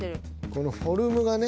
このフォルムがね